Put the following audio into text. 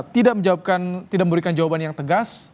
tidak memberikan jawaban yang tegas